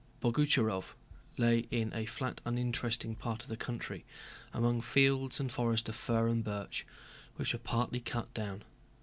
Boguchárovo lay in a flat uninteresting part of the country among fields and forests of fir and birch, which were partly cut down.